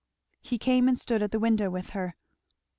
He came and stood at the window with her.